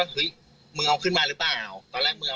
คือตอนนั้นหมากกว่าอะไรอย่างเงี้ย